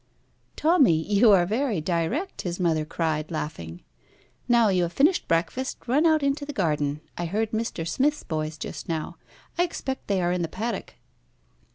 "Tommy, you are very direct," his mother cried, laughing. "Now you have finished breakfast, run out into the garden. I heard Mr. Smith's boys just now. I expect they are in the paddock."